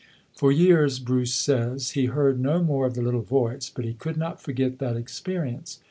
For years, Bruce says, he heard no more of the little voice, but he could not forget that experi ence.